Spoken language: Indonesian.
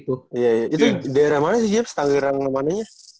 itu daerah mana sih jiebs daerah mana